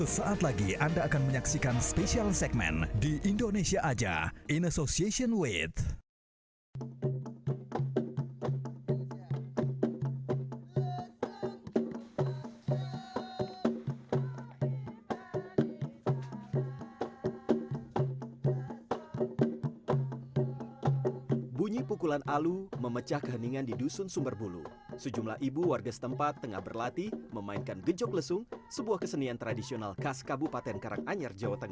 sampai jumpa di video selanjutnya